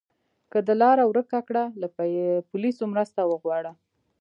که د لاره ورکه کړه، له پولیسو مرسته وغواړه.